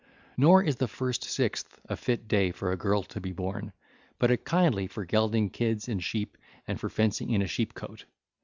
Nor is the first sixth a fit day for a girl to be born, but a kindly for gelding kids and sheep and for fencing in a sheep cote.